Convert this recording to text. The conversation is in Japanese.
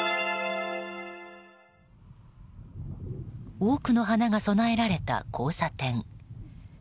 多くの花が供えられた交差点。